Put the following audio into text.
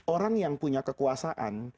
orang yang punya kekuasaan